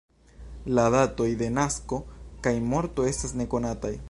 La datoj de nasko kaj morto estas nekonataj.